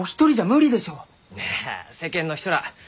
いや世間の人らあ